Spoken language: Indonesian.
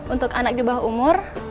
untuk anak di bawah umur